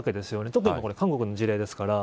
特に、これ韓国の事例ですから。